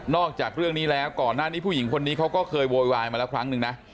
จากเรื่องนี้แล้วก่อนหน้านี้ผู้หญิงคนนี้เขาก็เคยโวยวายมาแล้วครั้งหนึ่งนะ